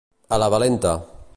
A la valenta.